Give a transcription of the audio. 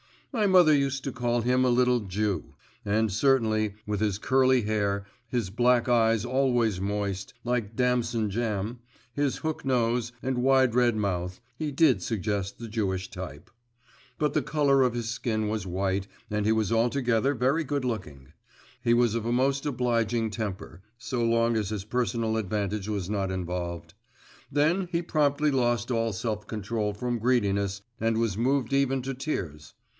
My mother used to call him a little Jew, and certainly, with his curly hair, his black eyes always moist, like damson jam, his hook nose, and wide red mouth, he did suggest the Jewish type. But the colour of his skin was white and he was altogether very good looking. He was of a most obliging temper, so long as his personal advantage was not involved. Then he promptly lost all self control from greediness, and was moved even to tears.